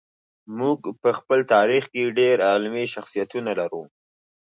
موږ په خپل تاریخ کې ډېر علمي شخصیتونه لرو.